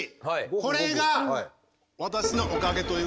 これが私のおかげということなんですよ！